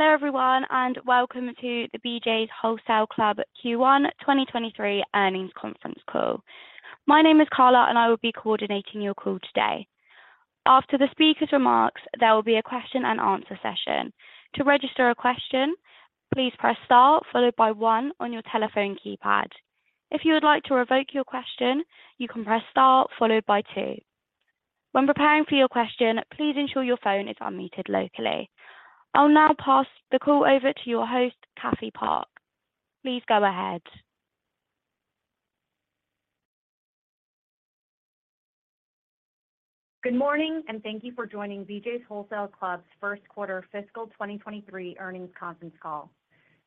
Hello, everyone, and welcome to the BJ's Wholesale Club Q1 2023 Earnings Conference Call. My name is Carla, and I will be coordinating your call today. After the speaker's remarks, there will be a question and answer session. To register a question, please press star followed by one on your telephone keypad. If you would like to revoke your question, you can press star followed by two. When preparing for your question, please ensure your phone is unmuted locally. I'll now pass the call over to your host, Cathy Park. Please go ahead. Good morning, thank you for joining BJ's Wholesale Club's First Quarter Fiscal 2023 Earnings Conference Call.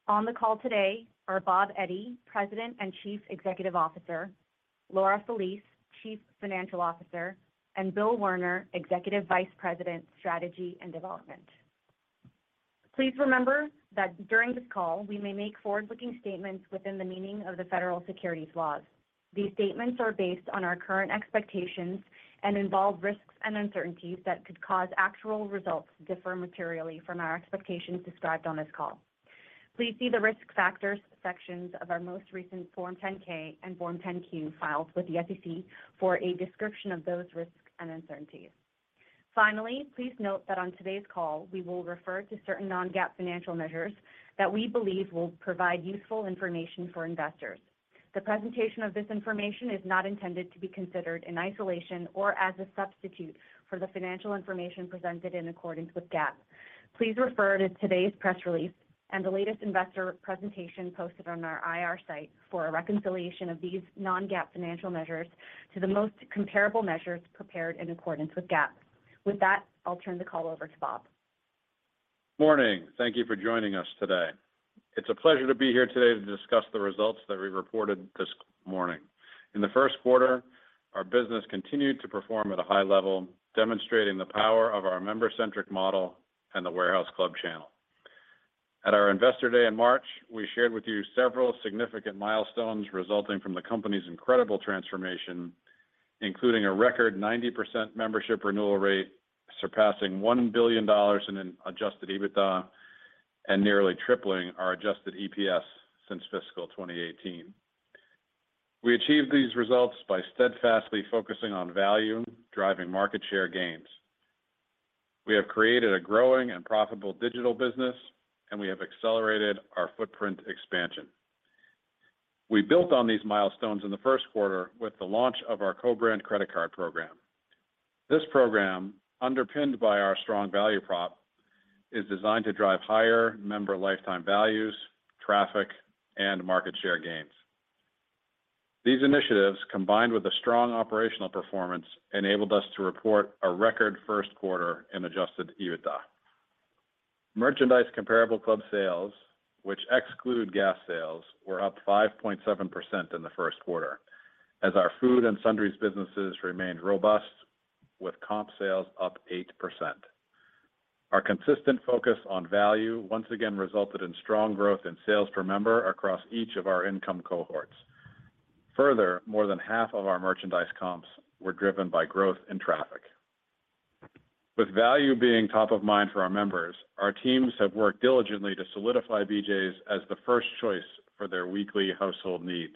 On the call today are Bob Eddy, President and Chief Executive Officer, Laura Felice, Chief Financial Officer, Bill Werner, Executive Vice President, Strategy and Development. Please remember that during this call, we may make forward-looking statements within the meaning of the federal securities laws. These statements are based on our current expectations and involve risks and uncertainties that could cause actual results to differ materially from our expectations described on this call. Please see the Risk Factors sections of our most recent Form 10-K and Form 10-Q filed with the SEC for a description of those risks and uncertainties. Please note that on today's call, we will refer to certain non-GAAP financial measures that we believe will provide useful information for investors. The presentation of this information is not intended to be considered in isolation or as a substitute for the financial information presented in accordance with GAAP. Please refer to today's press release and the latest investor presentation posted on our IR site for a reconciliation of these non-GAAP financial measures to the most comparable measures prepared in accordance with GAAP. With that, I'll turn the call over to Bob. Morning. Thank you for joining us today. It's a pleasure to be here today to discuss the results that we reported this morning. In the first quarter, our business continued to perform at a high level, demonstrating the power of our member-centric model and the warehouse club channel. At our Investor Day in March, we shared with you several significant milestones resulting from the company's incredible transformation, including a record 90% membership renewal rate, surpassing $1 billion in an adjusted EBITDA, and nearly tripling our adjusted EPS since fiscal 2018. We achieved these results by steadfastly focusing on value, driving market share gains. We have created a growing and profitable digital business. We have accelerated our footprint expansion. We built on these milestones in the first quarter with the launch of our co-brand credit card program. This program, underpinned by our strong value prop, is designed to drive higher member lifetime values, traffic, and market share gains. These initiatives, combined with a strong operational performance, enabled us to report a record first quarter in adjusted EBITDA. Merchandise comparable club sales, which exclude gas sales, were up 5.7% in the first quarter as our food and sundries businesses remained robust with comp sales up 8%. Our consistent focus on value once again resulted in strong growth in sales per member across each of our income cohorts. More than half of our merchandise comps were driven by growth in traffic. With value being top of mind for our members, our teams have worked diligently to solidify BJ's as the first choice for their weekly household needs.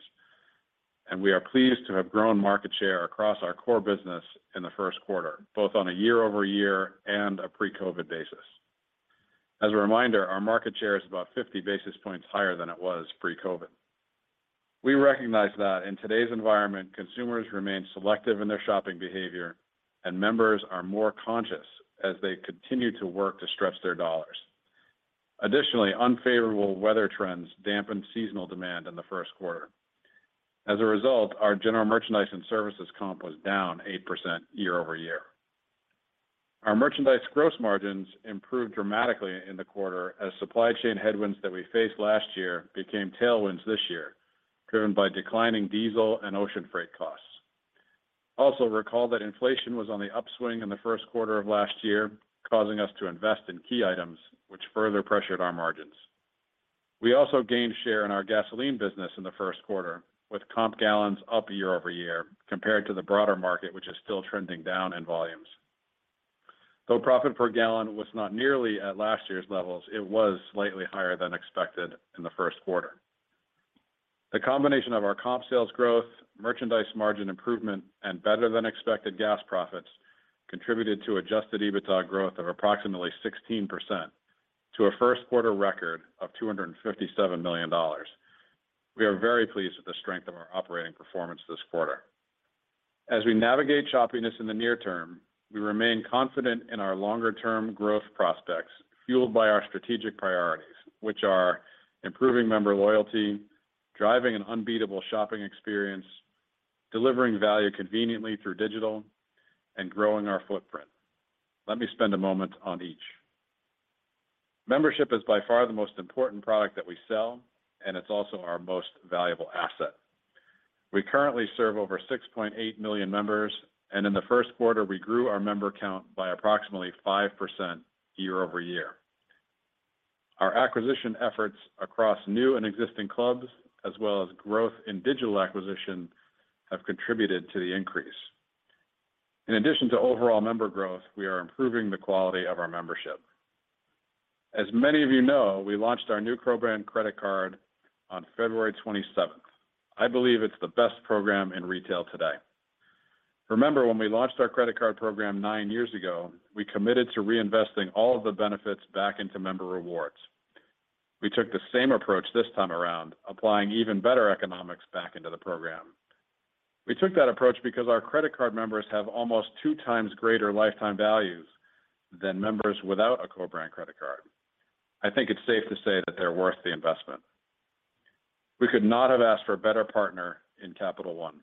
We are pleased to have grown market share across our core business in the first quarter, both on a year-over-year and a pre-COVID basis. As a reminder, our market share is about 50 basis points higher than it was pre-COVID. We recognize that in today's environment, consumers remain selective in their shopping behavior and members are more conscious as they continue to work to stretch their dollars. Additionally, unfavorable weather trends dampened seasonal demand in the first quarter. As a result, our general merchandise and services comp was down 8% year-over-year. Our merchandise gross margins improved dramatically in the quarter as supply chain headwinds that we faced last year became tailwinds this year, driven by declining diesel and ocean freight costs. Also recall that inflation was on the upswing in the first quarter of last year, causing us to invest in key items which further pressured our margins. We also gained share in our gasoline business in the first quarter with comp gallons up year-over-year compared to the broader market, which is still trending down in volumes. Though profit per gallon was not nearly at last year's levels, it was slightly higher than expected in the first quarter. The combination of our comp sales growth, merchandise margin improvement, and better than expected gas profits contributed to adjusted EBITDA growth of approximately 16% to a first quarter record of $257 million. We are very pleased with the strength of our operating performance this quarter. As we navigate choppiness in the near term, we remain confident in our longer-term growth prospects, fueled by our strategic priorities, which are improving member loyalty, driving an unbeatable shopping experience, delivering value conveniently through digital, and growing our footprint. Let me spend a moment on each. Membership is by far the most important product that we sell, and it's also our most valuable asset. We currently serve over 6.8 million members, and in the first quarter, we grew our member count by approximately 5% year-over-year. Our acquisition efforts across new and existing clubs, as well as growth in digital acquisition, have contributed to the increase. In addition to overall member growth, we are improving the quality of our membership. As many of you know, we launched our new program credit card on February 27th. I believe it's the best program in retail today. Remember when we launched our credit card program nine years ago, we committed to reinvesting all of the benefits back into member rewards. We took the same approach this time around, applying even better economics back into the program. We took that approach because our credit card members have almost two times greater lifetime values than members without a co-brand credit card. I think it's safe to say that they're worth the investment. We could not have asked for a better partner in Capital One.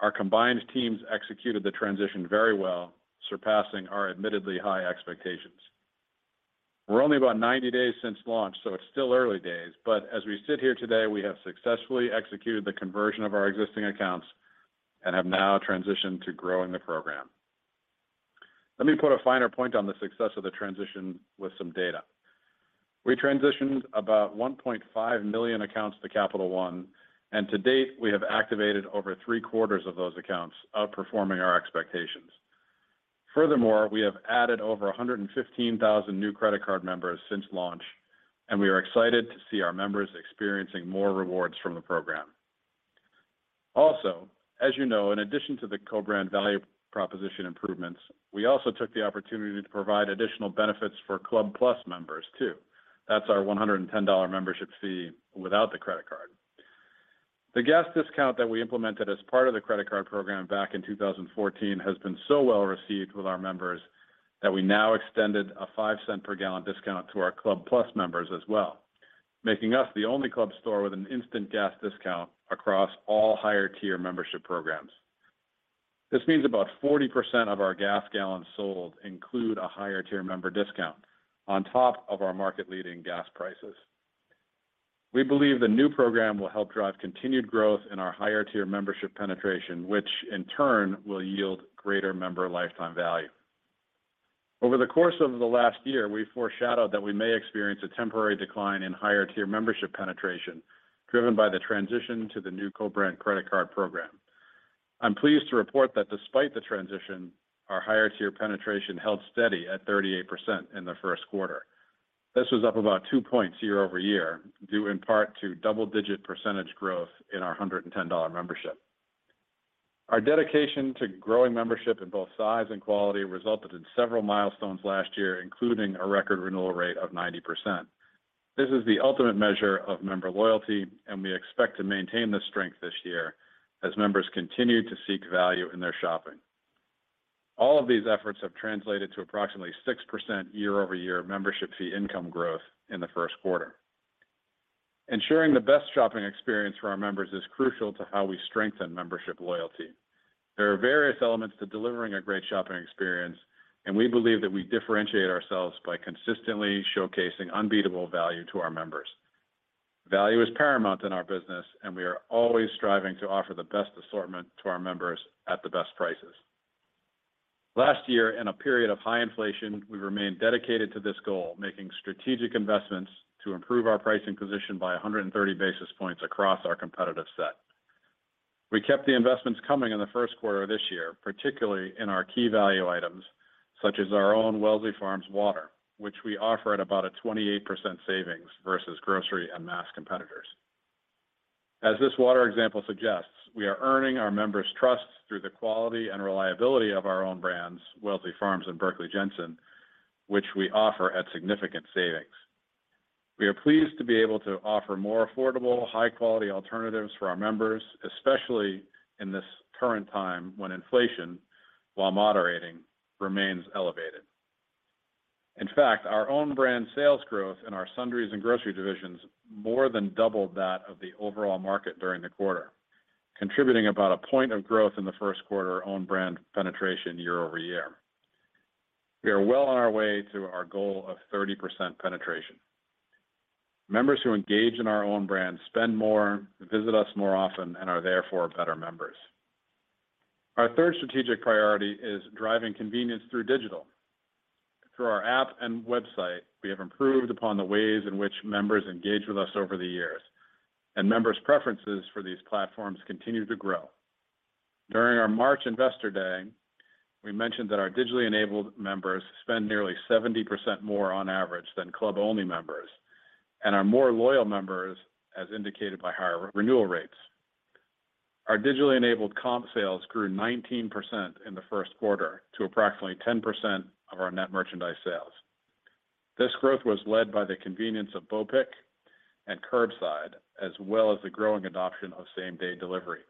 Our combined teams executed the transition very well, surpassing our admittedly high expectations. We're only about 90 days since launch, it's still early days. As we sit here today, we have successfully executed the conversion of our existing accounts and have now transitioned to growing the program. Let me put a finer point on the success of the transition with some data. We transitioned about 1.5 million accounts to Capital One. To date, we have activated over three-quarters of those accounts, outperforming our expectations. Furthermore, we have added over 115,000 new credit card members since launch. We are excited to see our members experiencing more rewards from the program. As you know, in addition to the co-brand value proposition improvements, we also took the opportunity to provide additional benefits for Club+ members, too. That's our $110 membership fee without the credit card. The guest discount that we implemented as part of the credit card program back in 2014 has been so well received with our members that we now extended a $0.05 per gal discount to our Club+ members as well, making us the only club store with an instant gas discount across all higher-tier membership programs. This means about 40% of our gas gallons sold include a higher-tier member discount on top of our market-leading gas prices. We believe the new program will help drive continued growth in our higher-tier membership penetration, which in turn will yield greater member lifetime value. Over the course of the last year, we foreshadowed that we may experience a temporary decline in higher-tier membership penetration driven by the transition to the new co-brand credit card program. I'm pleased to report that despite the transition, our higher-tier penetration held steady at 38% in the first quarter. This was up about two points year-over-year, due in part to double-digit % growth in our $110 membership. Our dedication to growing membership in both size and quality resulted in several milestones last year, including a record renewal rate of 90%. This is the ultimate measure of member loyalty, and we expect to maintain the strength this year as members continue to seek value in their shopping. All of these efforts have translated to approximately 6% year-over-year membership fee income growth in the first quarter. Ensuring the best shopping experience for our members is crucial to how we strengthen membership loyalty. There are various elements to delivering a great shopping experience, and we believe that we differentiate ourselves by consistently showcasing unbeatable value to our members. Value is paramount in our business, and we are always striving to offer the best assortment to our members at the best prices. Last year, in a period of high inflation, we remained dedicated to this goal, making strategic investments to improve our pricing position by 130 basis points across our competitive set. We kept the investments coming in the first quarter of this year, particularly in our key value items such as our own Wellsley Farms Water, which we offer at about a 28% savings versus grocery and mass competitors. As this water example suggests, we are earning our members' trust through the quality and reliability of our own brands, Wellsley Farms and Berkley Jensen, which we offer at significant savings. We are pleased to be able to offer more affordable, high-quality alternatives for our members, especially in this current time when inflation, while moderating, remains elevated. In fact, our own brand sales growth in our sundries and grocery divisions more than doubled that of the overall market during the quarter, contributing about 1 point of growth in the first quarter own brand penetration year-over-year. We are well on our way to our goal of 30% penetration. Members who engage in our own brand spend more, visit us more often, and are therefore better members. Our third strategic priority is driving convenience through digital. Through our app and website, we have improved upon the ways in which members engage with us over the years, and members' preferences for these platforms continue to grow. During our March Investor Day, we mentioned that our digitally enabled members spend nearly 70% more on average than club-only members and are more loyal members, as indicated by higher re-renewal rates. Our digitally enabled comp sales grew 19% in the first quarter to approximately 10% of our net merchandise sales. This growth was led by the convenience of BOPIC and curbside, as well as the growing adoption of same-day delivery.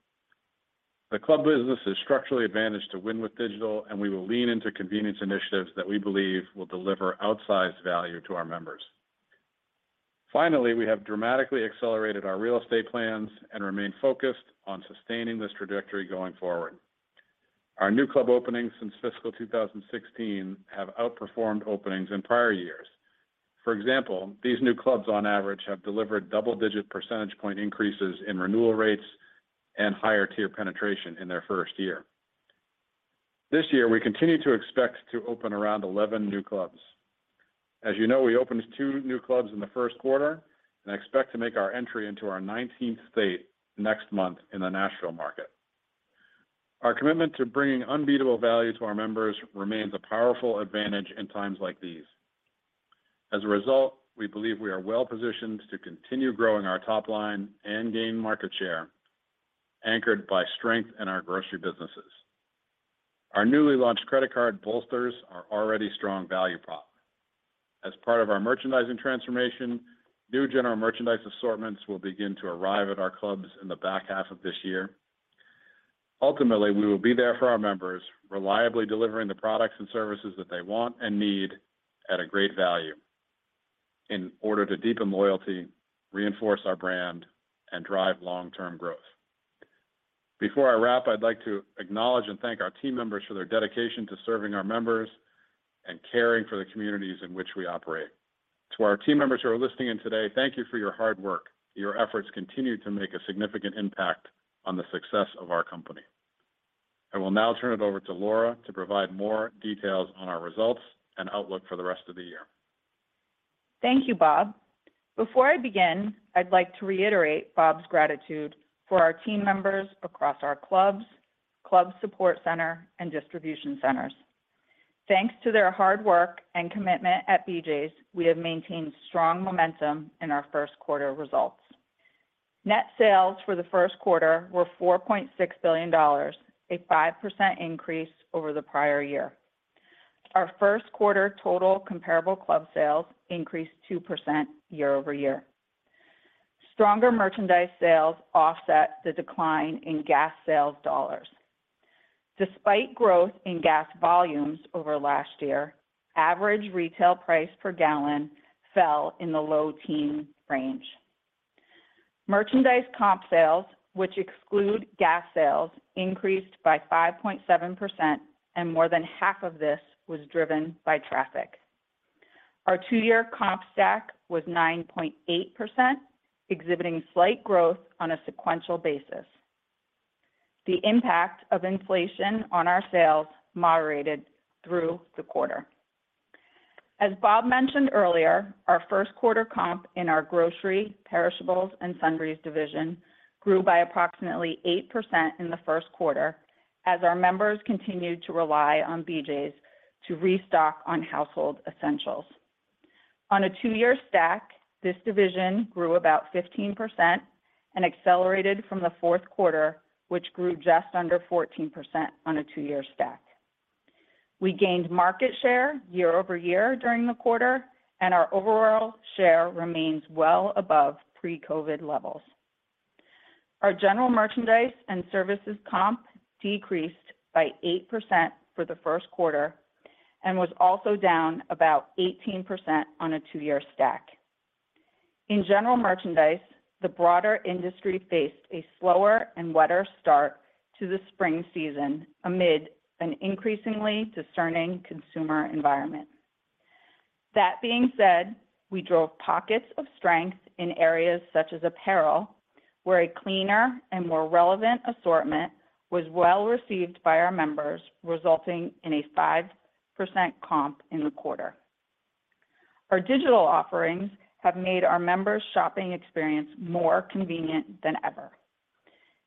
The club business is structurally advantaged to win with digital, and we will lean into convenience initiatives that we believe will deliver outsized value to our members. Finally, we have dramatically accelerated our real estate plans and remain focused on sustaining this trajectory going forward. Our new club openings since fiscal 2016 have outperformed openings in prior years. For example, these new clubs on average have delivered double-digit percentage point increases in renewal rates and higher tier penetration in their first year. This year, we continue to expect to open around 11 new clubs. As you know, we opened two new clubs in the first quarter and expect to make our entry into our 19th state next month in the Nashville market. Our commitment to bringing unbeatable value to our members remains a powerful advantage in times like these. As a result, we believe we are well-positioned to continue growing our top line and gain market share, anchored by strength in our grocery businesses. Our newly launched credit card bolsters our already strong value prop. As part of our merchandising transformation, new general merchandise assortments will begin to arrive at our clubs in the back half of this year. Ultimately, we will be there for our members, reliably delivering the products and services that they want and need at a great value in order to deepen loyalty, reinforce our brand, and drive long-term growth. Before I wrap, I'd like to acknowledge and thank our team members for their dedication to serving our members and caring for the communities in which we operate. To our team members who are listening in today, thank you for your hard work. Your efforts continue to make a significant impact on the success of our company. I will now turn it over to Laura to provide more details on our results and outlook for the rest of the year. Thank you, Bob. Before I begin, I'd like to reiterate Bob's gratitude for our team members across our clubs, club support center, and distribution centers. Thanks to their hard work and commitment at BJ's, we have maintained strong momentum in our first quarter results. Net sales for the first quarter were $4.6 billion, a 5% increase over the prior year. Our first quarter total comparable club sales increased 2% year-over-year. Stronger merchandise sales offset the decline in gas sales dollars. Despite growth in gas volumes over last year, average retail price per gallon fell in the low teen range. Merchandise comp sales, which exclude gas sales, increased by 5.7%, and more than half of this was driven by traffic. Our two-year comp stack was 9.8%, exhibiting slight growth on a sequential basis. The impact of inflation on our sales moderated through the quarter. As Bob mentioned earlier, our first quarter comp in our grocery, perishables, and sundries division grew by approximately 8% in the first quarter as our members continued to rely on BJ's to restock on household essentials. On a two-year stack, this division grew about 15% and accelerated from the fourth quarter, which grew just under 14% on a two-year stack. We gained market share year-over-year during the quarter, and our overall share remains well above pre-COVID levels. Our general merchandise and services comp decreased by 8% for the first quarter and was also down about 18% on a two-year stack. In general merchandise, the broader industry faced a slower and wetter start to the spring season amid an increasingly discerning consumer environment. That being said, we drove pockets of strength in areas such as apparel, where a cleaner and more relevant assortment was well-received by our members, resulting in a 5% comp in the quarter. Our digital offerings have made our members' shopping experience more convenient than ever.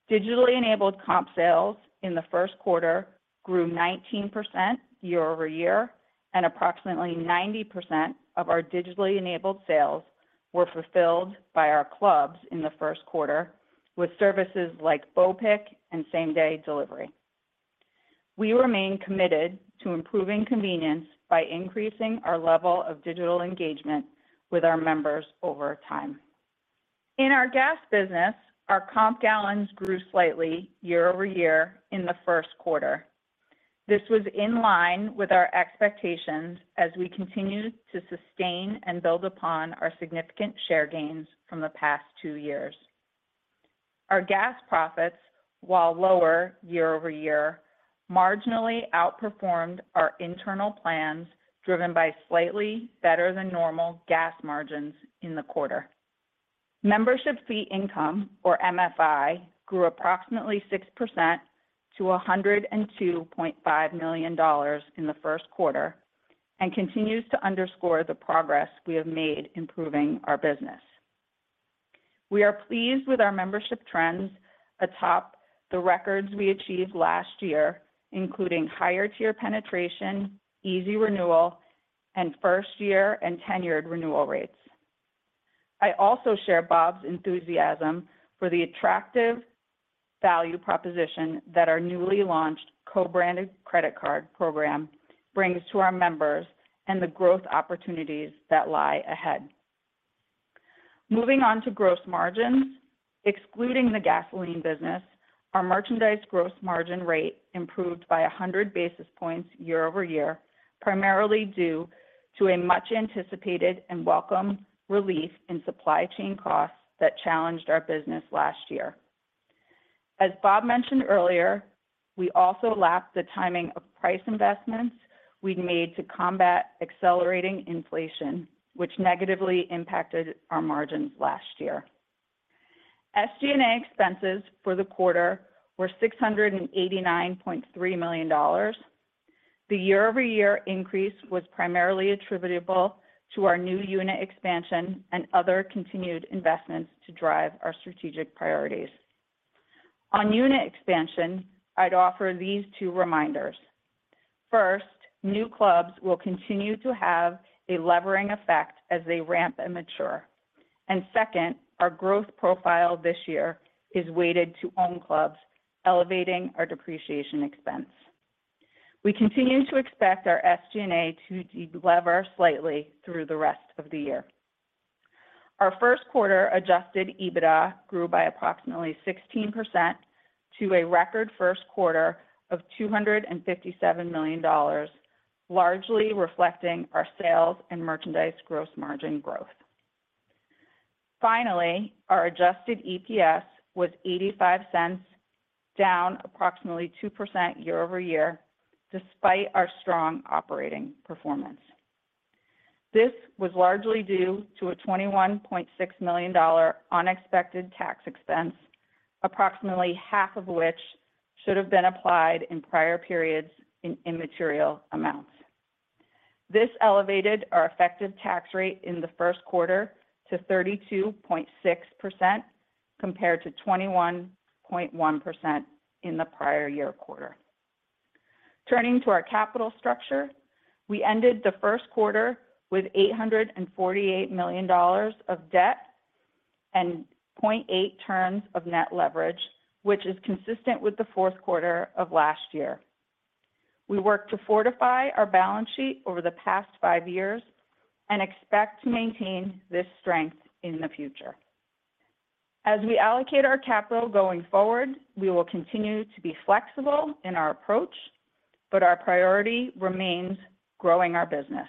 Digitally enabled comp sales in the first quarter grew 19% year-over-year, and approximately 90% of our digitally enabled sales were fulfilled by our clubs in the first quarter with services like BOPIC and same-day delivery. We remain committed to improving convenience by increasing our level of digital engagement with our members over time. In our gas business, our comp gallons grew slightly year-over-year in the first quarter. This was in line with our expectations as we continued to sustain and build upon our significant share gains from the past two years. Our gas profits, while lower year-over-year, marginally outperformed our internal plans, driven by slightly better than normal gas margins in the quarter. Membership Fee Income, or MFI, grew approximately 6% to $102.5 million in the first quarter. Continues to underscore the progress we have made improving our business. We are pleased with our membership trends atop the records we achieved last year, including higher-tier penetration, easy renewal, and first-year and tenured renewal rates. I also share Bob's enthusiasm for the attractive value proposition that our newly launched co-branded credit card program brings to our members and the growth opportunities that lie ahead. Moving on to gross margins, excluding the gasoline business, our merchandise gross margin rate improved by 100 basis points year-over-year, primarily due to a much-anticipated and welcome relief in supply chain costs that challenged our business last year. As Bob mentioned earlier, we also lapped the timing of price investments we made to combat accelerating inflation, which negatively impacted our margins last year. SG&A expenses for the quarter were $689.3 million. The year-over-year increase was primarily attributable to our new unit expansion and other continued investments to drive our strategic priorities. On unit expansion, I'd offer these two reminders. First, new clubs will continue to have a levering effect as they ramp and mature. Second, our growth profile this year is weighted to owned clubs, elevating our depreciation expense. We continue to expect our SG&A to delever slightly through the rest of the year. Our first quarter adjusted EBITDA grew by approximately 16% to a record first quarter of $257 million, largely reflecting our sales and merchandise gross margin growth. Finally, our adjusted EPS was $0.85, down approximately 2% year-over-year despite our strong operating performance. This was largely due to a $21.6 million unexpected tax expense, approximately half of which should have been applied in prior periods in immaterial amounts. This elevated our effective tax rate in the first quarter to 32.6% compared to 21.1% in the prior year quarter. Turning to our capital structure, we ended the first quarter with $848 million of debt and 0.8 times of net leverage, which is consistent with the fourth quarter of last year. We worked to fortify our balance sheet over the past five years and expect to maintain this strength in the future. As we allocate our capital going forward, we will continue to be flexible in our approach, but our priority remains growing our business.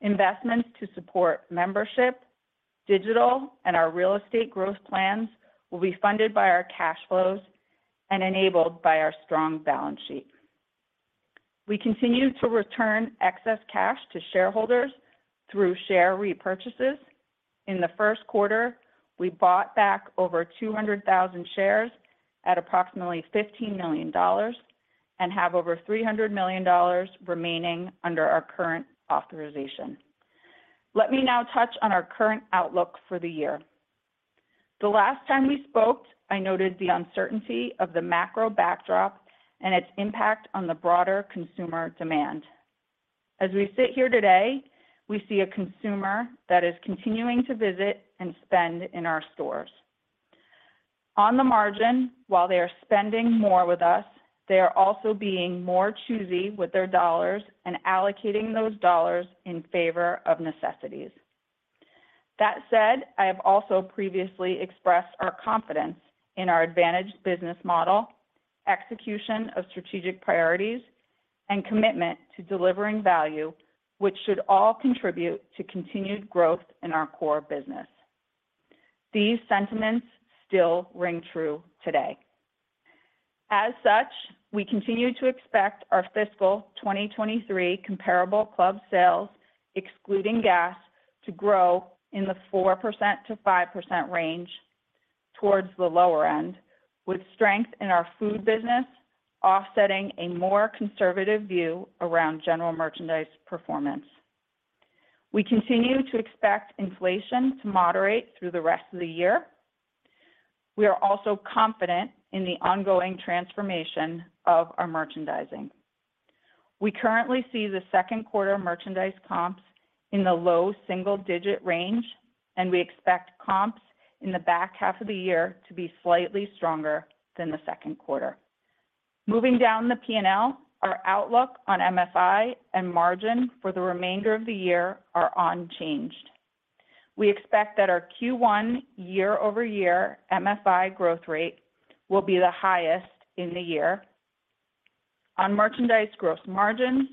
Investments to support membership, digital, and our real estate growth plans will be funded by our cash flows and enabled by our strong balance sheet. We continue to return excess cash to shareholders through share repurchases. In the first quarter, we bought back over 200,000 shares at approximately $15 million and have over $300 million remaining under our current authorization. Let me now touch on our current outlook for the year. The last time we spoke, I noted the uncertainty of the macro backdrop and its impact on the broader consumer demand. As we sit here today, we see a consumer that is continuing to visit and spend in our stores. On the margin, while they are spending more with us, they are also being more choosy with their dollars and allocating those dollars in favor of necessities. That said, I have also previously expressed our confidence in our advantage business model, execution of strategic priorities, and commitment to delivering value, which should all contribute to continued growth in our core business. These sentiments still ring true today. As such, we continue to expect our fiscal 2023 comparable club sales, excluding gas, to grow in the 4%-5% range towards the lower end, with strength in our food business offsetting a more conservative view around general merchandise performance. We continue to expect inflation to moderate through the rest of the year. We are also confident in the ongoing transformation of our merchandising. We currently see the second quarter merchandise comps in the low double-digit range, and we expect comps in the back half of the year to be slightly stronger than the second quarter. Moving down the P&L, our outlook on MFI and margin for the remainder of the year are unchanged. We expect that our Q1 year-over-year MFI growth rate will be the highest in the year. On merchandise gross margins,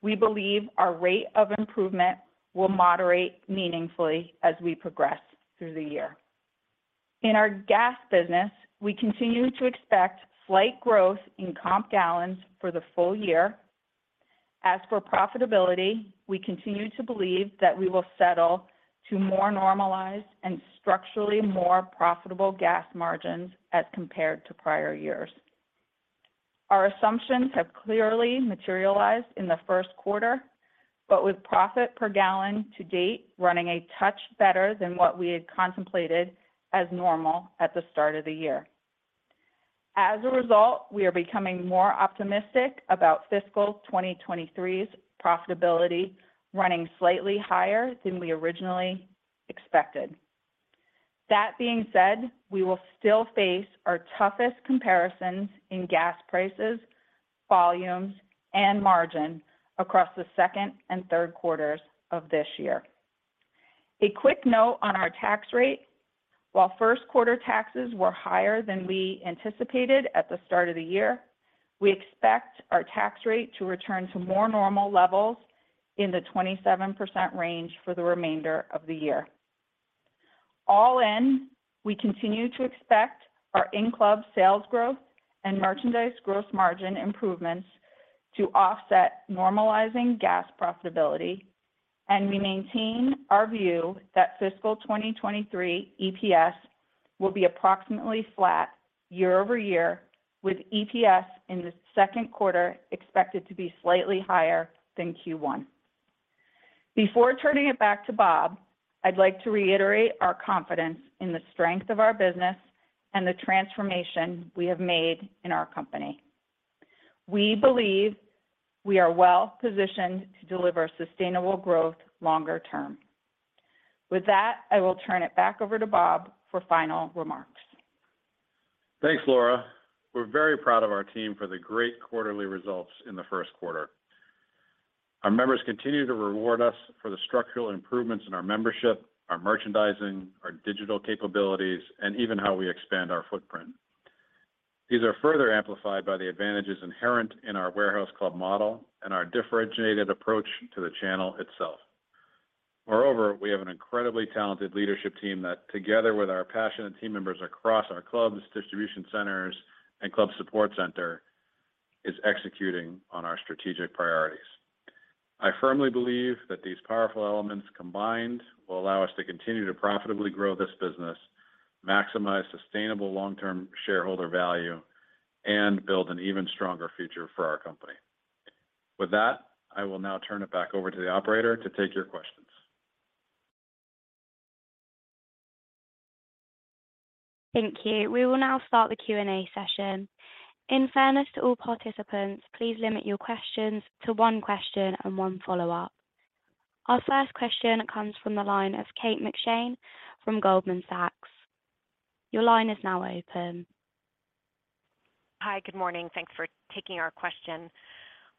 we believe our rate of improvement will moderate meaningfully as we progress through the year. In our gas business, we continue to expect slight growth in comp gallons for the full year. As for profitability, we continue to believe that we will settle to more normalized and structurally more profitable gas margins as compared to prior years. Our assumptions have clearly materialized in the first quarter, but with profit per gallon to date running a touch better than what we had contemplated as normal at the start of the year. We are becoming more optimistic about fiscal 2023's profitability running slightly higher than we originally expected. We will still face our toughest comparisons in gas prices, volumes, and margin across the second and third quarters of this year. A quick note on our tax rate. While first quarter taxes were higher than we anticipated at the start of the year, we expect our tax rate to return to more normal levels in the 27% range for the remainder of the year. All in, we continue to expect our in-club sales growth and merchandise gross margin improvements to offset normalizing gas profitability. We maintain our view that fiscal 2023 EPS will be approximately flat year-over-year, with EPS in the second quarter expected to be slightly higher than Q1. Before turning it back to Bob, I'd like to reiterate our confidence in the strength of our business and the transformation we have made in our company. We believe we are well-positioned to deliver sustainable growth longer term. With that, I will turn it back over to Bob for final remarks. Thanks, Laura. We're very proud of our team for the great quarterly results in the first quarter. Our members continue to reward us for the structural improvements in our membership, our merchandising, our digital capabilities, and even how we expand our footprint. These are further amplified by the advantages inherent in our warehouse club model and our differentiated approach to the channel itself. Moreover, we have an incredibly talented leadership team that, together with our passionate team members across our clubs, distribution centers, and club support center, is executing on our strategic priorities. I firmly believe that these powerful elements combined will allow us to continue to profitably grow this business, maximize sustainable long-term shareholder value, and build an even stronger future for our company. With that, I will now turn it back over to the operator to take your questions. Thank you. We will now start the Q&A session. In fairness to all participants, please limit your questions to one question and one follow-up. Our first question comes from the line of Kate McShane from Goldman Sachs. Your line is now open. Hi. Good morning. Thanks for taking our question.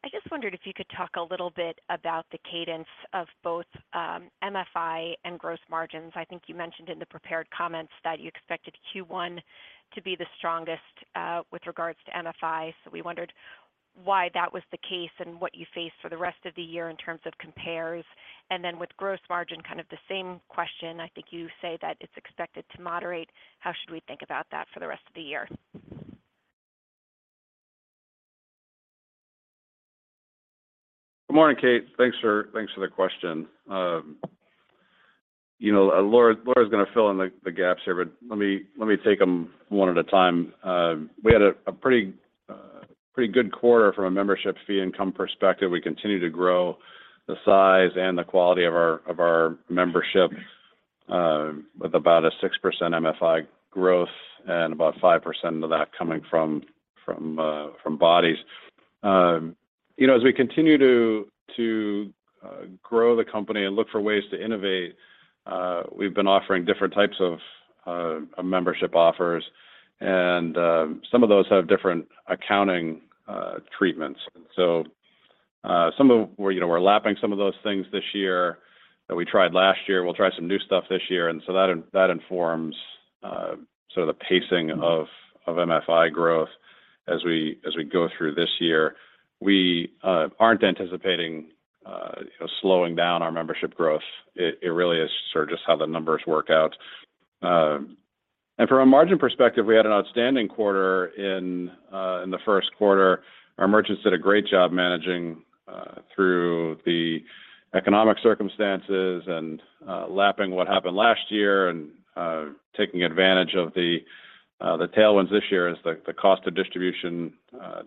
I just wondered if you could talk a little bit about the cadence of both MFI and gross margins. I think you mentioned in the prepared comments that you expected Q1 to be the strongest with regards to MFI. We wondered why that was the case and what you face for the rest of the year in terms of compares. With gross margin, kind of the same question. I think you say that it's expected to moderate. How should we think about that for the rest of the year? Good morning, Kate. Thanks for the question. You know, Laura's gonna fill in the gaps here, but let me take them one at a time. We had a pretty good quarter from a Membership Fee Income perspective. We continue to grow the size and the quality of our membership, with about a 6% MFI growth and about 5% of that coming from bodies. You know, as we continue to grow the company and look for ways to innovate, we've been offering different types of membership offers, and some of those have different accounting treatments. We're, you know, we're lapping some of those things this year that we tried last year. We'll try some new stuff this year. That informs sort of the pacing of MFI growth as we go through this year. We aren't anticipating, you know, slowing down our membership growth. It really is sort of just how the numbers work out. From a margin perspective, we had an outstanding quarter in the first quarter. Our merchants did a great job managing through the economic circumstances and lapping what happened last year and taking advantage of the tailwinds this year as the cost of distribution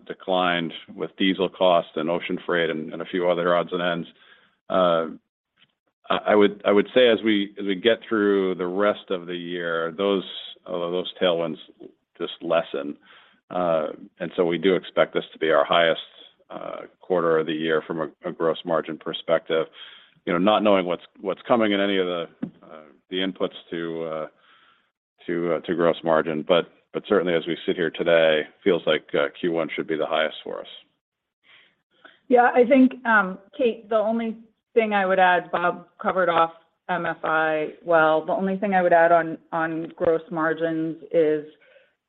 declined with diesel costs and ocean freight and a few other odds and ends. I would say as we get through the rest of the year, those tailwinds just lessen. We do expect this to be our highest quarter of the year from a gross margin perspective. You know, not knowing what's coming in any of the inputs to gross margin. Certainly as we sit here today, feels like Q1 should be the highest for us. Yeah. I think, Kate, the only thing I would add, Bob covered off MFI well. The only thing I would add on gross margins is,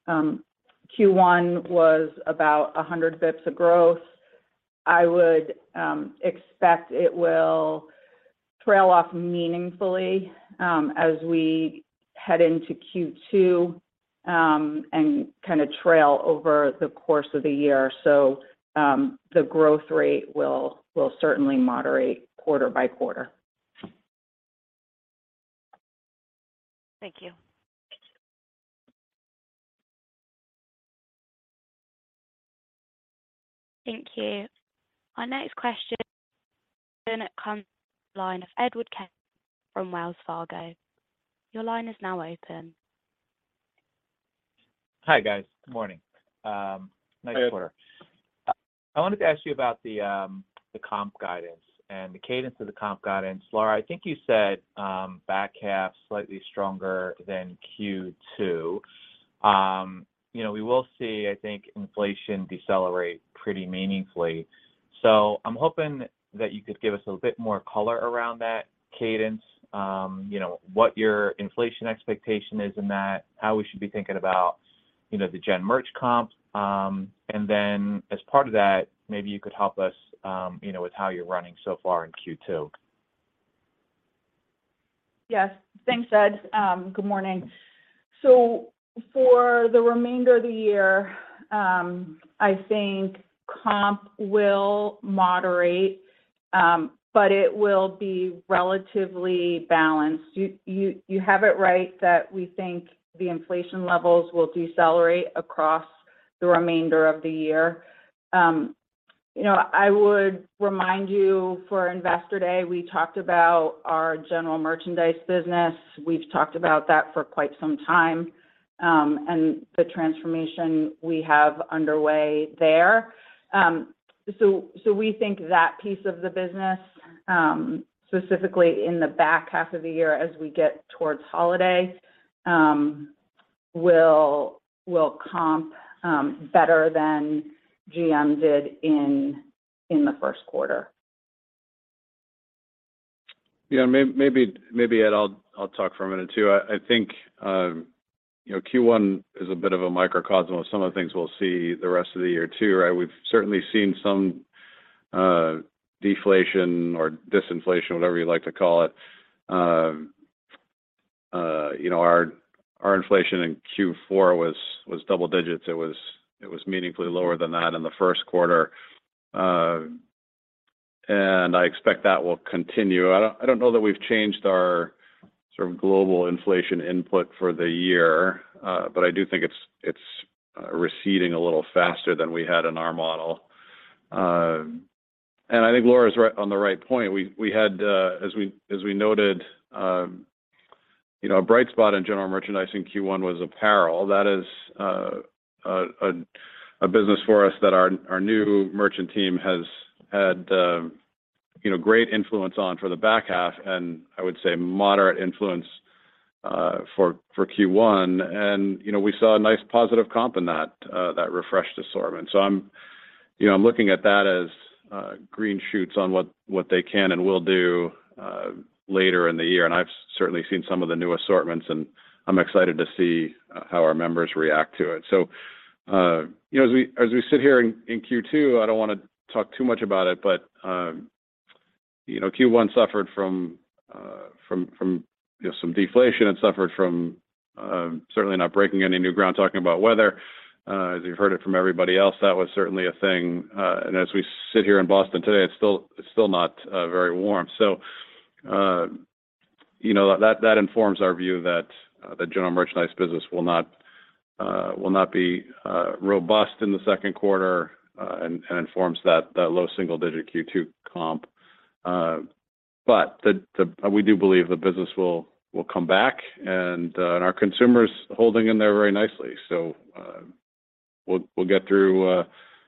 Q1 was about 100 basis points of growth. I would expect it will trail off meaningfully as we head into Q2 and kind of trail over the course of the year. The growth rate will certainly moderate quarter by quarter. Thank you. Thank you. Our next question comes line of Edward Kelly from Wells Fargo. Your line is now open. Hi, guys. Good morning. Nice quarter. Hey, Ed. I wanted to ask you about the comp guidance and the cadence of the comp guidance. Laura, I think you said, back half slightly stronger than Q2. You know, we will see, I think, inflation decelerate pretty meaningfully. I'm hoping that you could give us a little bit more color around that cadence, you know, what your inflation expectation is in that, how we should be thinking about, you know, the gen merch comp, and then as part of that, maybe you could help us, you know, with how you're running so far in Q2? Yes. Thanks, Ed. Good morning. For the remainder of the year, I think comp will moderate, but it will be relatively balanced. You have it right that we think the inflation levels will decelerate across the remainder of the year. You know, I would remind you for Investor Day, we talked about our general merchandise business. We've talked about that for quite some time, and the transformation we have underway there. So we think that piece of the business, specifically in the back half of the year as we get towards holiday, will comp better than GM did in the first quarter. Yeah. Maybe, Ed, I'll talk for a minute too. I think, you know, Q1 is a bit of a microcosm of some of the things we'll see the rest of the year too, right? We've certainly seen some deflation or disinflation, whatever you like to call it. You know, our inflation in Q4 was double digits. It was meaningfully lower than that in the first quarter. I expect that will continue. I don't know that we've changed our sort of global inflation input for the year, but I do think it's receding a little faster than we had in our model. I think Laura's on the right point. We had, as we noted, you know, a bright spot in general merchandise in Q1 was apparel. That is a business for us that our new merchant team has had, you know, great influence on for the back half, and I would say moderate influence for Q1. You know, we saw a nice positive comp in that refreshed assortment. I'm, you know, I'm looking at that as green shoots on what they can and will do later in the year, and I've certainly seen some of the new assortments, and I'm excited to see how our members react to it. You know, as we sit here in Q2, I don't wanna talk too much about it, but, you know, Q1 suffered from, you know, some deflation and suffered from certainly not breaking any new ground talking about weather. As you've heard it from everybody else, that was certainly a thing. As we sit here in Boston today, it's still not very warm. You know, that informs our view that the general merchandise business will not be robust in the second quarter and informs that low single digit Q2 comp. We do believe the business will come back and our consumer's holding in there very nicely. We'll get through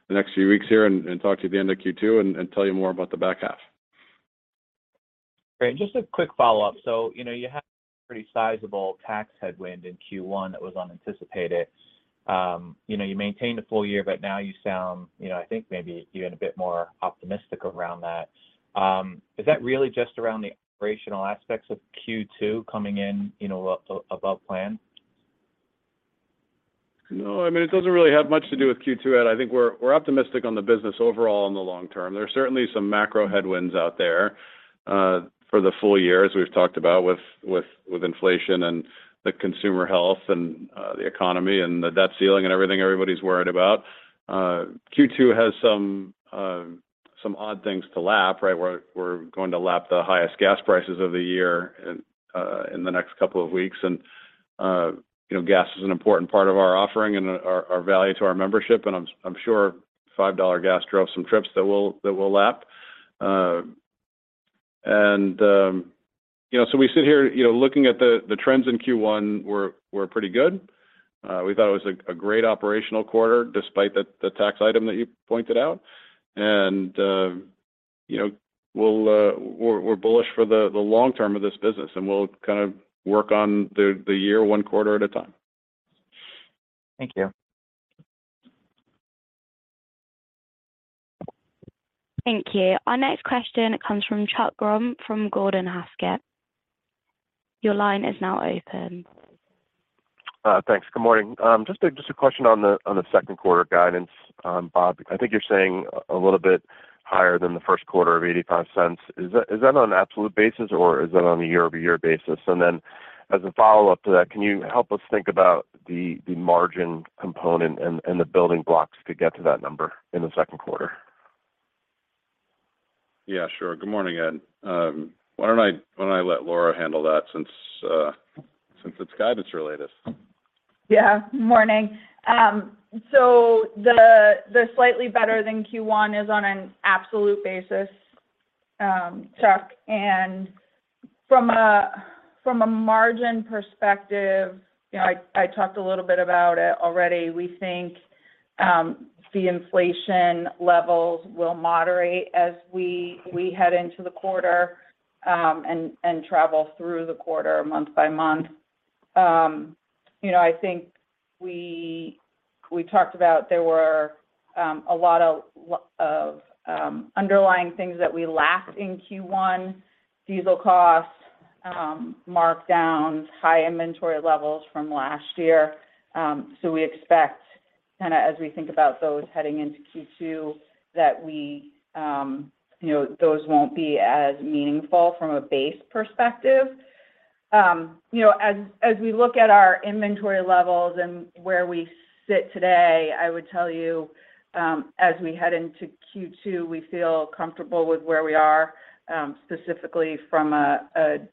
the next few weeks here and talk to you at the end of Q2 and tell you more about the back half. Great. Just a quick follow-up. You know, you had pretty sizable tax headwind in Q1 that was unanticipated. You know, you maintained a full year, but now you sound, you know, I think maybe even a bit more optimistic around that. Is that really just around the operational aspects of Q2 coming in, you know, above plan? No, I mean, it doesn't really have much to do with Q2, Ed. I think we're optimistic on the business overall in the long term. There are certainly some macro headwinds out there for the full year, as we've talked about with inflation and the consumer health and the economy and the debt ceiling and everything everybody's worried about. Q2 has some odd things to lap, right? We're, we're going to lap the highest gas prices of the year in the next couple of weeks. You know, gas is an important part of our offering and our value to our membership, and I'm sure $5 gas drove some trips that we'll lap. You know, we sit here, you know, looking at the trends in Q1 were pretty good. We thought it was a great operational quarter despite the tax item that you pointed out. You know, we're bullish for the long term of this business, and we'll kind of work on the year one quarter at a time. Thank you. Thank you. Our next question comes from Chuck Grom from Gordon Haskett. Your line is now open. Thanks. Good morning. Just a question on the second quarter guidance, Bob, I think you're saying a little bit higher than the first quarter of $0.85. Is that on an absolute basis, or is that on a year-over-year basis? As a follow-up to that, can you help us think about the margin component and the building blocks to get to that number in the second quarter? Yeah, sure. Good morning, Ed. Why don't I let Laura handle that since it's guidance related? Morning. The slightly better than Q1 is on an absolute basis, Chuck. From a margin perspective, you know, I talked a little about it already. We think the inflation levels will moderate as we head into the quarter and travel through the quarter month by month. You know, I think we talked about there were a lot of underlying things that we lapped in Q1, diesel costs, markdowns, high inventory levels from last year. We expect Kind of as we think about those heading into Q2 that we, you know, those won't be as meaningful from a base perspective. You know, as we look at our inventory levels and where we sit today, I would tell you, as we head into Q2, we feel comfortable with where we are, specifically from a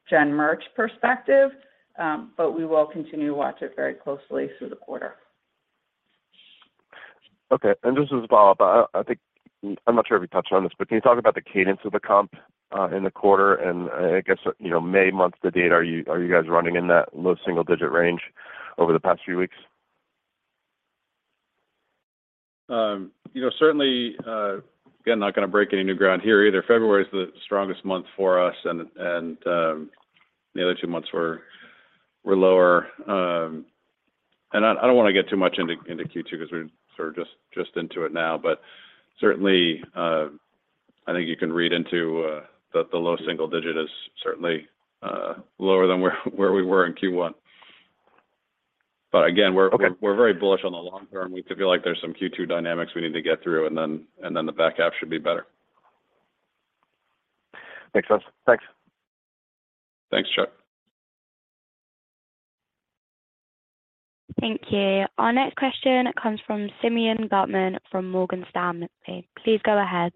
gen merch perspective. We will continue to watch it very closely through the quarter. Okay. This is Bob. I'm not sure if you touched on this, but can you talk about the cadence of the comp in the quarter? I guess, you know, May month to date, are you guys running in that low single digit range over the past few weeks? you know, certainly, again, not gonna break any new ground here either. February is the strongest month for us and the other two months were lower. I don't wanna get too much into Q2 'cause we're sort of just into it now. Certainly, I think you can read into that the low single digit is certainly lower than where we were in Q1. Again. Okay... we're very bullish on the long term. We feel like there's some Q2 dynamics we need to get through, and then the back half should be better. Makes sense. Thanks. Thanks, Chuck. Thank you. Our next question comes from Simeon Gutman from Morgan Stanley. Please go ahead.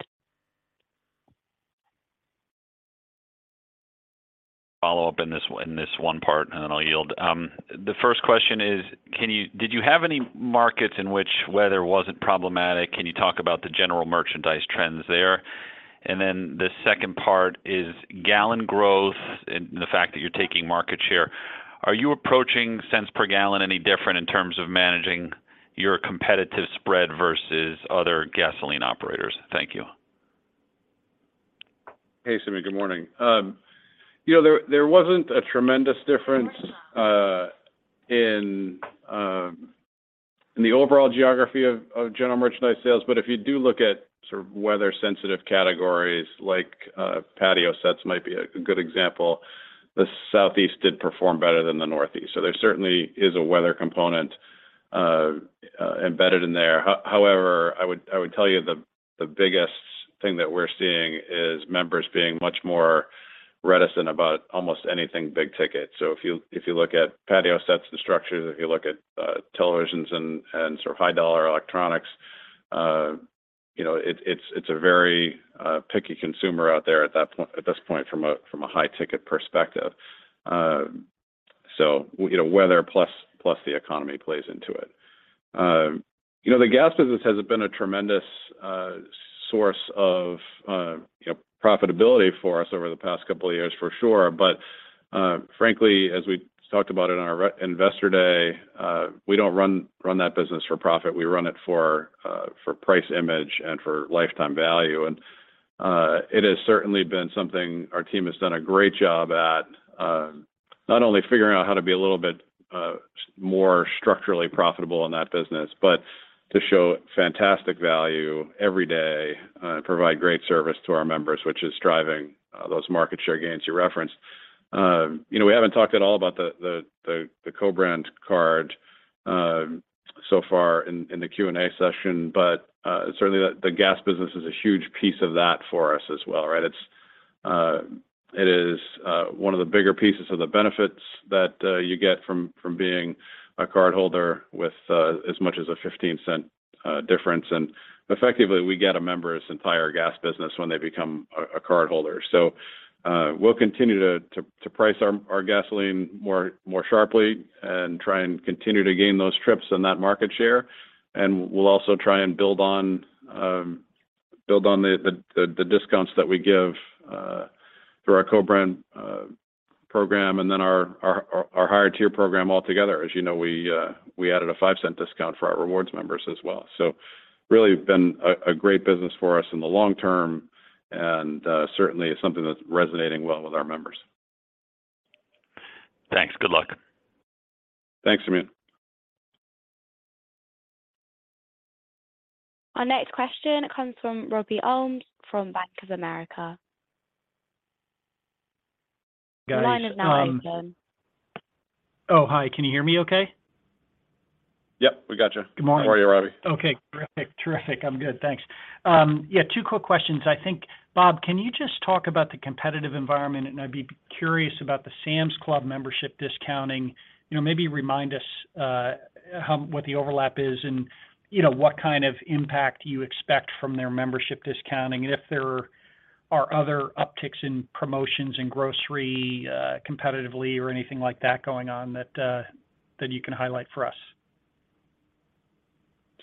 Follow up in this in this one part, and then I'll yield. The first question is, did you have any markets in which weather wasn't problematic? Can you talk about the general merchandise trends there? The second part is gallon growth and the fact that you're taking market share. Are you approaching cents per gallon any different in terms of managing your competitive spread versus other gasoline operators? Thank you. Hey, Simeon. Good morning. You know, there wasn't a tremendous difference in the overall geography of general merchandise sales. If you do look at sort of weather sensitive categories like patio sets might be a good example, the Southeast did perform better than the Northeast. There certainly is a weather component embedded in there. However, I would tell you the biggest thing that we're seeing is members being much more reticent about almost anything big ticket. If you look at patio sets and structures, if you look at televisions and sort of high dollar electronics, you know, it's a very picky consumer out there at this point from a high ticket perspective. You know, weather plus the economy plays into it. You know, the gas business has been a tremendous source of, you know, profitability for us over the past couple of years, for sure. Frankly, as we talked about it on our Investor Day, we don't run that business for profit. We run it for price image and for lifetime value. It has certainly been something our team has done a great job at, not only figuring out how to be a little bit more structurally profitable in that business, but to show fantastic value every day, provide great service to our members, which is driving those market share gains you referenced. You know, we haven't talked at all about the co-brand card so far in the Q&A session, certainly the gas business is a huge piece of that for us as well, right? It's, it is one of the bigger pieces of the benefits that you get from being a cardholder with as much as a $0.15 difference. Effectively, we get a member's entire gas business when they become a cardholder. We'll continue to price our gasoline more sharply and try and continue to gain those trips and that market share. We'll also try and build on build on the discounts that we give through our co-brand program and then our higher tier program altogether. As you know, we added a $0.05 discount for our rewards members as well. Really been a great business for us in the long term and, certainly something that's resonating well with our members. Thanks. Good luck. Thanks, Simeon. Our next question comes from Robbie Ohmes from Bank of America. Guys. Your line is now open. Oh, hi. Can you hear me okay? Yep, we got you. Good morning. How are you, Robbie? Okay. Terrific. Terrific. I'm good, thanks. Yeah, two quick questions. I think, Bob, can you just talk about the competitive environment? I'd be curious about the Sam's Club membership discounting. You know, maybe remind us, what the overlap is and, you know, what kind of impact you expect from their membership discounting. If there are other upticks in promotions in grocery, competitively or anything like that going on that you can highlight for us.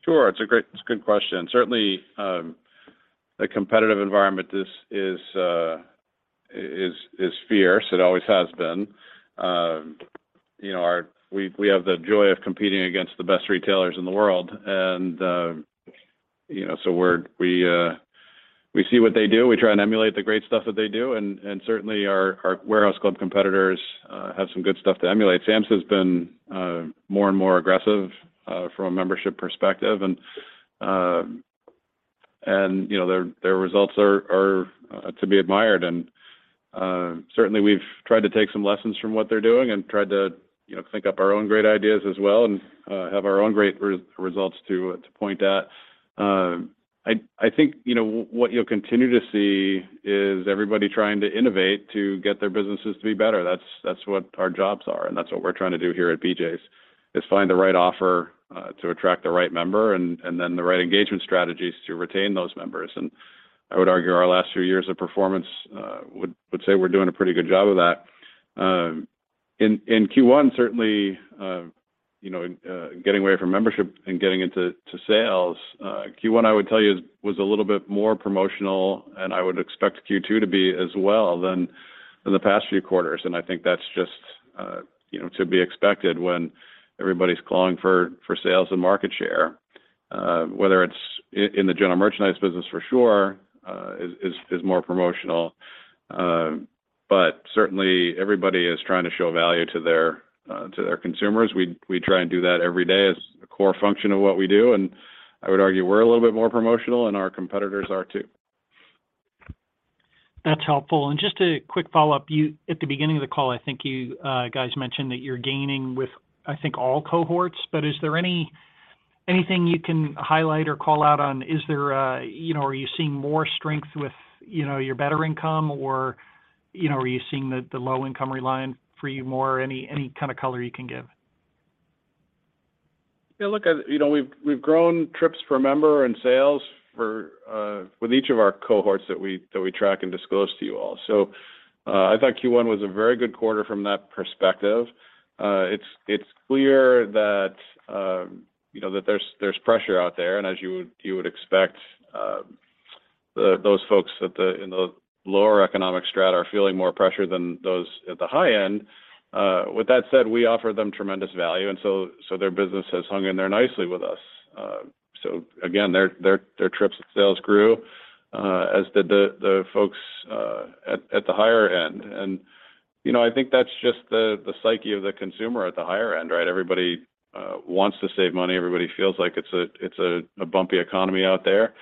Sure. It's a good question. Certainly, the competitive environment is fierce. It always has been. You know, we have the joy of competing against the best retailers in the world. You know, so we see what they do. We try and emulate the great stuff that they do. Certainly our warehouse club competitors have some good stuff to emulate. Sam's has been more and more aggressive from a membership perspective. You know, their results are to be admired. Certainly we've tried to take some lessons from what they're doing and tried to, you know, think up our own great ideas as well and have our own great results to point at. I think, you know, what you'll continue to see is everybody trying to innovate to get their businesses to be better. That's, that's what our jobs are, and that's what we're trying to do here at BJ's, is find the right offer to attract the right member and then the right engagement strategies to retain those members. I would argue our last few years of performance would say we're doing a pretty good job of that. In Q1, certainly, you know, getting away from membership and getting into sales, Q1, I would tell you was a little bit more promotional, and I would expect Q2 to be as well than in the past few quarters. I think that's just, you know, to be expected when everybody's clawing for sales and market share. Whether it's in the general merchandise business for sure, is more promotional. Certainly everybody is trying to show value to their consumers. We try and do that every day as a core function of what we do. I would argue we're a little bit more promotional, and our competitors are too. That's helpful. Just a quick follow-up. At the beginning of the call, I think you guys mentioned that you're gaining with, I think, all cohorts, but is there anything you can highlight or call out on, is there, you know, are you seeing more strength with, you know, your better income or, you know, are you seeing the low income relying for you more? Any, any kind of color you can give? Yeah, look, I, you know, we've grown trips per member and sales for with each of our cohorts that we track and disclose to you all. I thought Q1 was a very good quarter from that perspective. It's clear that, you know, that there's pressure out there, and as you would expect, the folks in the lower economic strata are feeling more pressure than those at the high end. With that said, we offer them tremendous value, so their business has hung in there nicely with us. So again, their trips and sales grew, as did the folks at the higher end. You know, I think that's just the psyche of the consumer at the higher end, right? Everybody wants to save money. Everybody feels like it's a bumpy economy out there.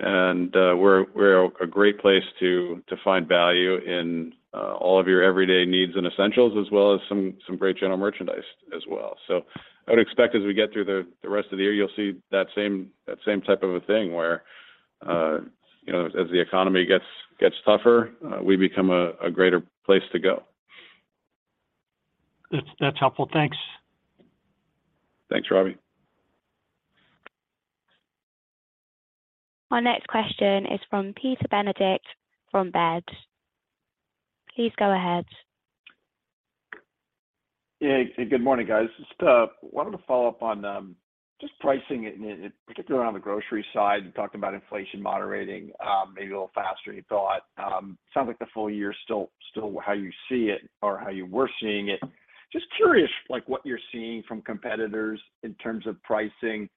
We're a great place to find value in all of your everyday needs and essentials as well as some great general merchandise as well. I would expect as we get through the rest of the year, you'll see that same type of a thing where, you know, as the economy gets tougher, we become a greater place to go. That's helpful. Thanks. Thanks, Robbie. Our next question is from Pete Benedict from Baird. Please go ahead. Yeah, good morning, guys. Just wanted to follow up on just pricing and particularly on the grocery side, you talked about inflation moderating, maybe a little faster than you thought. Sounds like the full year is still how you see it or how you were seeing it. Just curious, like what you're seeing from competitors in terms of pricing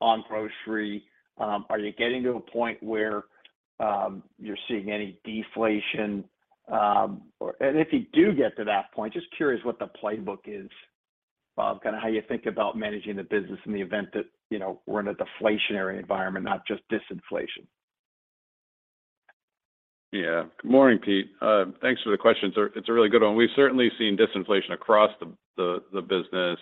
on grocery. Are you getting to a point where you're seeing any deflation? Or if you do get to that point, just curious what the playbook is, Bob, kind of how you think about managing the business in the event that, you know, we're in a deflationary environment, not just disinflation. Yeah. Good morning, Pete. Thanks for the question. It's a really good one. We've certainly seen disinflation across the business.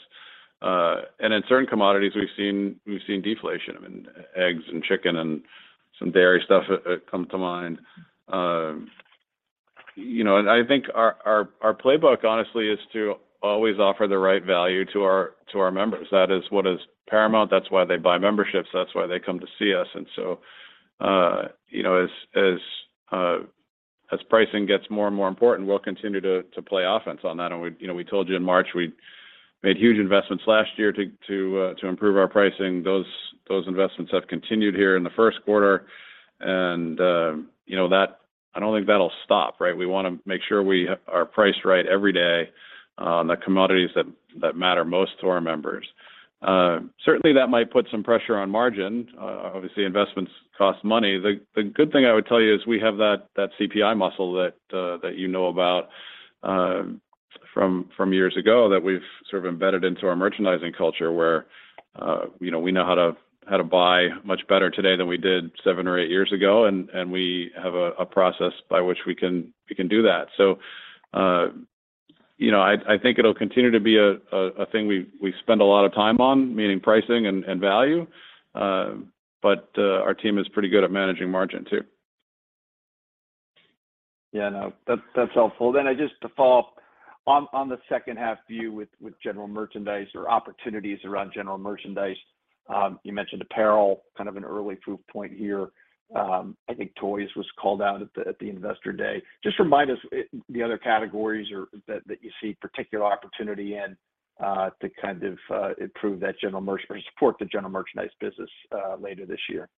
In certain commodities we've seen deflation. I mean, eggs and chicken and some dairy stuff come to mind. You know, I think our playbook honestly is to always offer the right value to our members. That is what is paramount. That's why they buy memberships. That's why they come to see us. You know, as pricing gets more and more important, we'll continue to play offense on that. We, you know, we told you in March, we made huge investments last year to improve our pricing. Those investments have continued here in the first quarter. You know, I don't think that'll stop, right? We wanna make sure we are priced right every day on the commodities that matter most to our members. Certainly that might put some pressure on margin. Obviously investments cost money. The good thing I would tell you is we have that CPI muscle that you know about from years ago that we've sort of embedded into our merchandising culture where, you know, we know how to buy much better today than we did seven or eight years ago. We have a process by which we can do that. You know, I think it'll continue to be a thing we spend a lot of time on, meaning pricing and value. Our team is pretty good at managing margin too. Yeah, no, that's helpful. I just to follow up on the second half view with general merchandise or opportunities around general merchandise. You mentioned apparel, kind of an early proof point here. I think toys was called out at the, at the Investor Day. Just remind us the other categories that you see particular opportunity in to kind of improve that general merch or support the general merchandise business later this year?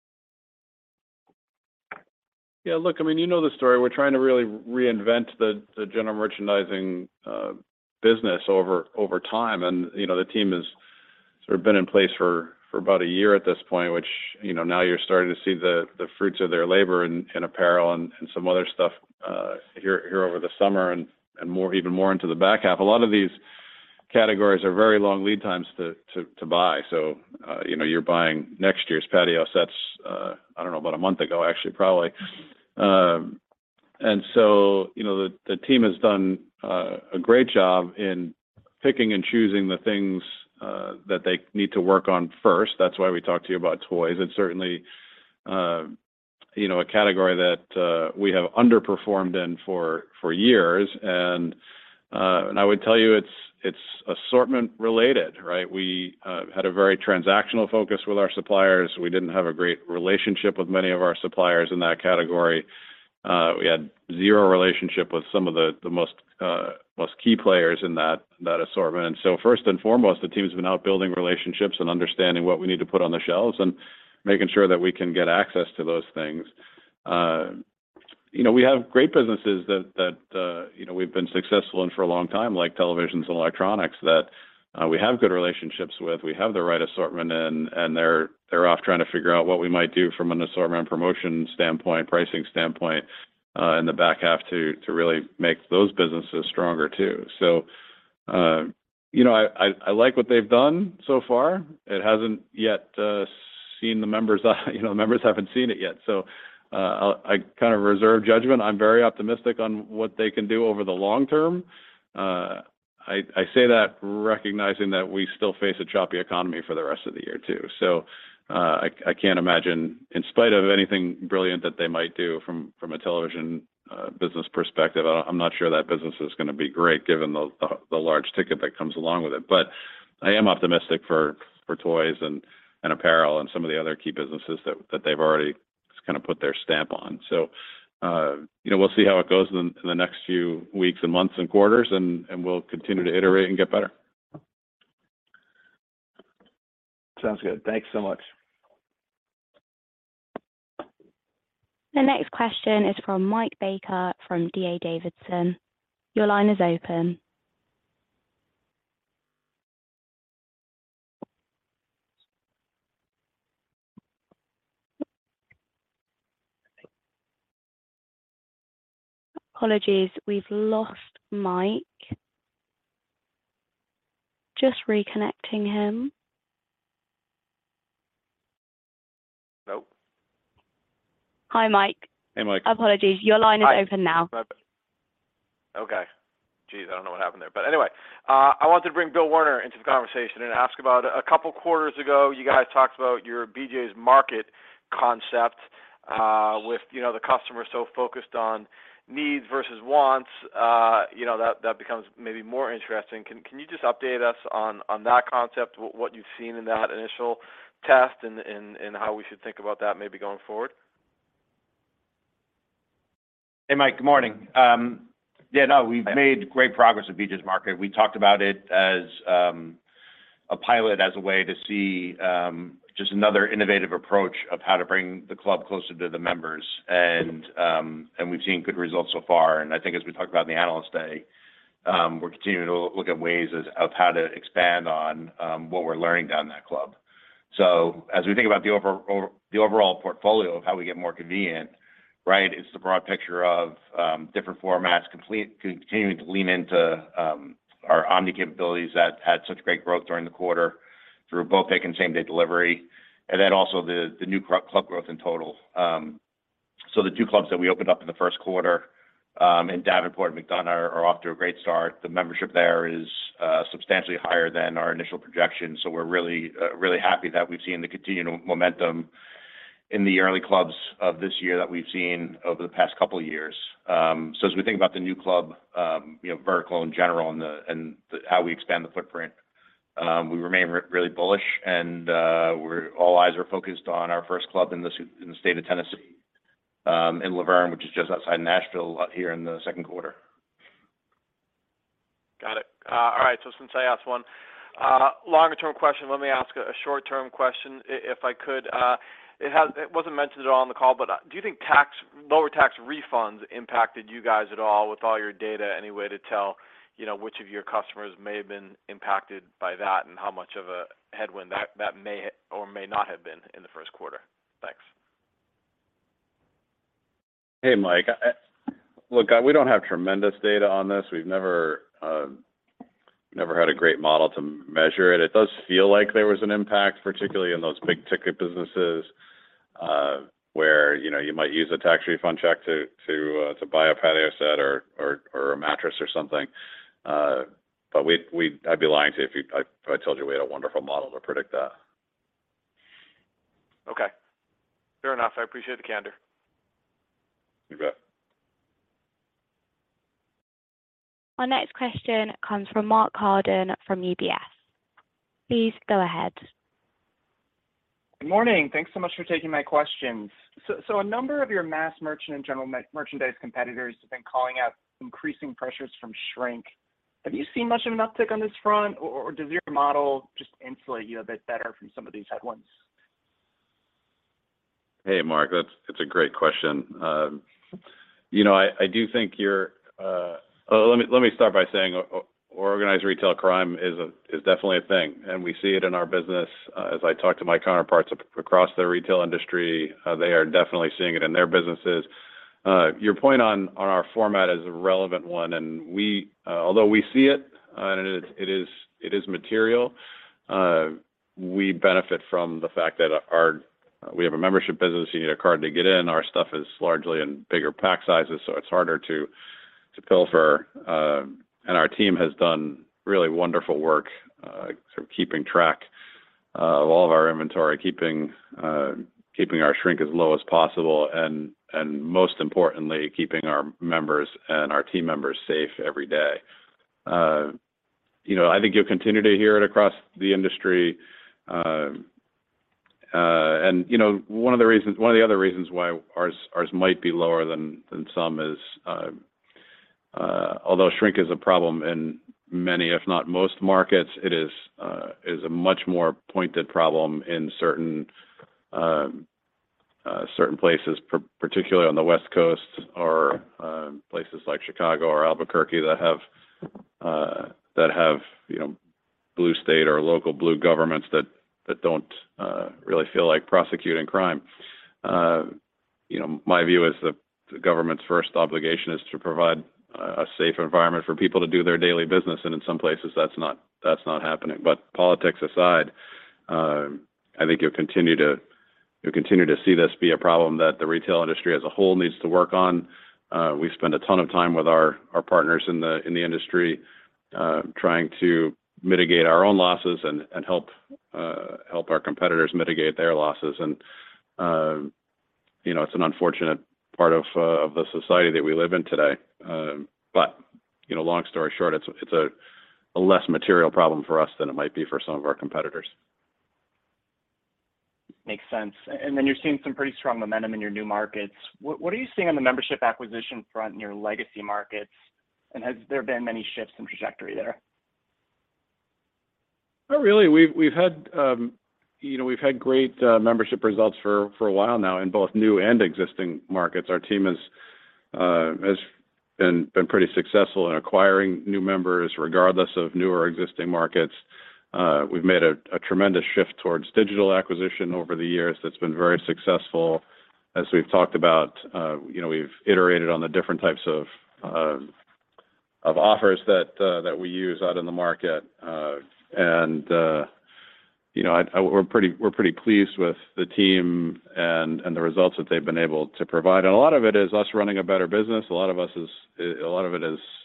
Yeah, look, I mean, you know the story. We're trying to really reinvent the general merchandising business over time. You know, the team has sort of been in place for about a year at this point, which, you know, now you're starting to see the fruits of their labor in apparel and some other stuff here over the summer and more, even more into the back half. Categories are very long lead times to buy. You know, you're buying next year's patio sets, I don't know, about a month ago, actually, probably. You know, the team has done a great job in picking and choosing the things that they need to work on first. That's why we talked to you about toys. It's certainly, you know, a category that we have underperformed in for years. I would tell you, it's assortment related, right? We had a very transactional focus with our suppliers. We didn't have a great relationship with many of our suppliers in that category. We had zero relationship with some of the most key players in that assortment. First and foremost, the team has been out building relationships and understanding what we need to put on the shelves and making sure that we can get access to those things. You know, we have great businesses that, you know, we've been successful in for a long time, like televisions and electronics that we have good relationships with. We have the right assortment and they're off trying to figure out what we might do from an assortment promotion standpoint, pricing standpoint, in the back half to really make those businesses stronger too. You know, I like what they've done so far. It hasn't yet, the members haven't seen it yet. I kind of reserve judgment. I'm very optimistic on what they can do over the long term. I say that recognizing that we still face a choppy economy for the rest of the year too. I can't imagine in spite of anything brilliant that they might do from a television business perspective, I'm not sure that business is gonna be great given the large ticket that comes along with it. I am optimistic for toys and apparel and some of the other key businesses that they've already just kind of put their stamp on. You know, we'll see how it goes in the next few weeks and months and quarters, and we'll continue to iterate and get better. Sounds good. Thanks so much. The next question is from Mike Baker from D.A. Davidson. Your line is open. Apologies. We've lost Mike. Just reconnecting him. Hello? Hi, Mike. Hey, Mike. Apologies. Your line is open now. Okay. Geez, I don't know what happened there. I wanted to bring Bill Werner into the conversation and ask about a couple quarters ago, you guys talked about your BJ's Market concept, with, you know, the customer so focused on needs versus wants. You know, that becomes maybe more interesting. Can you just update us on that concept, what you've seen in that initial test and how we should think about that maybe going forward? Hey, Mike. Good morning. Yeah, no, we've made great progress with BJ's Market. We talked about it as a pilot as a way to see just another innovative approach of how to bring the club closer to the members. We've seen good results so far. I think as we talked about in the Analyst Day, we're continuing to look at ways of how to expand on what we're learning down in that club. As we think about the overall portfolio of how we get more convenient, right? It's the broad picture of different formats, continuing to lean into our omni capabilities that had such great growth during the quarter through both pick and same-day delivery, and then also the new club growth in total. The two clubs that we opened up in the first quarter, in Davenport and McDonough are off to a great start. The membership there is substantially higher than our initial projections. We're really happy that we've seen the continued momentum in the early clubs of this year that we've seen over the past couple of years. As we think about the new club, you know, vertical in general and how we expand the footprint, we remain really bullish and all eyes are focused on our first club in the state of Tennessee, in La Vergne, which is just outside Nashville here in the second quarter. Got it. All right. Since I asked one longer term question, let me ask a short term question if I could. It wasn't mentioned at all on the call, but do you think lower tax refunds impacted you guys at all with all your data? Any way to tell, you know, which of your customers may have been impacted by that and how much of a headwind that may or may not have been in the first quarter? Thanks. Hey, Mike. look, we don't have tremendous data on this. We've never had a great model to measure it. It does feel like there was an impact, particularly in those big-ticket businesses, where, you know, you might use a tax refund check to buy a patio set or a mattress or something. I'd be lying to you if I told you we had a wonderful model to predict that. Okay. Fair enough. I appreciate the candor. You bet. Our next question comes from Mark Carden from UBS. Please go ahead. Good morning. Thanks so much for taking my questions. A number of your mass merchant and general merchandise competitors have been calling out increasing pressures from shrink. Have you seen much of an uptick on this front or does your model just insulate you a bit better from some of these headwinds? Hey, Mark. That's. It's a great question. You know, I do think. Let me start by saying organized retail crime is definitely a thing, and we see it in our business. I talk to my counterparts across the retail industry, they are definitely seeing it in their businesses. Your point on our format is a relevant one, we, although we see it, and it is, it is material, we benefit from the fact that our we have a membership business. You need a card to get in. Our stuff is largely in bigger pack sizes, it's harder to pilfer. Our team has done really wonderful work, sort of keeping track of all of our inventory, keeping our shrink as low as possible and, most importantly, keeping our members and our team members safe every day. You know, I think you'll continue to hear it across the industry. You know, one of the other reasons why ours might be lower than some is, although shrink is a problem in many, if not most markets, it is a much more pointed problem in certain places, particularly on the West Coast or places like Chicago or Albuquerque that have, you know, blue state or local blue governments that don't really feel like prosecuting crime. You know, my view is the government's first obligation is to provide a safe environment for people to do their daily business. In some places, that's not happening. Politics aside, I think you'll continue to see this be a problem that the retail industry as a whole needs to work on. We spend a ton of time with our partners in the industry, trying to mitigate our own losses and help our competitors mitigate their losses. You know, it's an unfortunate part of the society that we live in today. You know, long story short, it's a less material problem for us than it might be for some of our competitors. Makes sense. Then you're seeing some pretty strong momentum in your new markets. What are you seeing on the membership acquisition front in your legacy markets, and has there been many shifts in trajectory there? Not really. We've had, you know, we've had great membership results for a while now in both new and existing markets. Our team has been pretty successful in acquiring new members, regardless of new or existing markets. We've made a tremendous shift towards digital acquisition over the years that's been very successful. As we've talked about, you know, we've iterated on the different types of offers that we use out in the market. You know, we're pretty pleased with the team and the results that they've been able to provide. A lot of it is us running a better business. A lot of it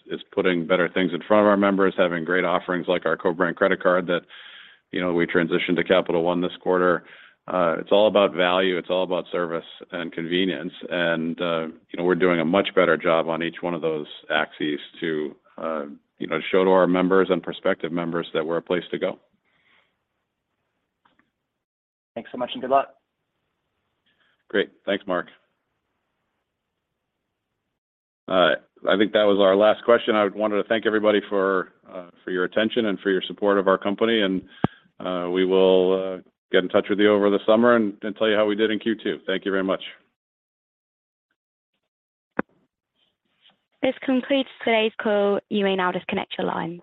is putting better things in front of our members, having great offerings like our BJ's One Mastercard that, you know, we transitioned to Capital One this quarter. It's all about value, it's all about service and convenience and, you know, we're doing a much better job on each one of those axes to, you know, show to our members and prospective members that we're a place to go. Thanks so much and good luck. Great. Thanks, Mark. I think that was our last question. I wanted to thank everybody for your attention and for your support of our company. We will get in touch with you over the summer and tell you how we did in Q2. Thank you very much. This completes today's call. You may now disconnect your lines.